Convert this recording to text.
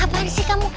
apaan sih kamu